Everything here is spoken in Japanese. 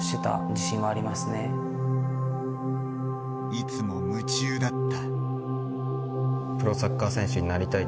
いつも夢中だった。